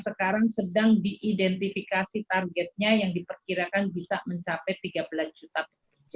pemerintah juga akan memberikan apa yang disebut bansos bantuan untuk gaji